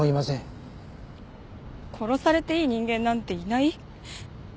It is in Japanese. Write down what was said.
殺されていい人間なんていない？